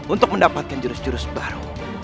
untuk mendapatkan jurus jurus baru